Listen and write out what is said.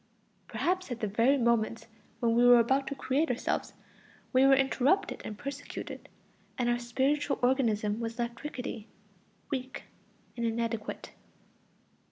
Perhaps at the very moments when we were about to create ourselves, we were interrupted and persecuted, and our spiritual organism was left rickety, weak, and inadequate.